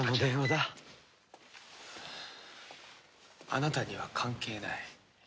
あなたには関係ない。